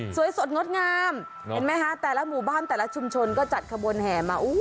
สวยสดงดงามเห็นไหมคะแต่ละหมู่บ้านแต่ละชุมชนก็จัดขบวนแห่มา